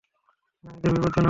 না, ইঁদুর বিপজ্জনক।